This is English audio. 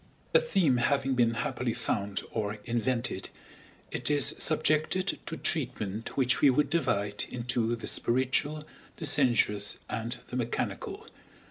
A theme having been happily found or invented, it is subjected to treatment which we would divide into the spiritual the sensuous, and the mechanical.